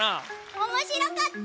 おもしろかった！